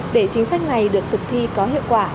để chính sách này được thực thi có hiệu quả